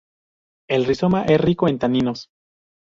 El rizoma es rico en taninos.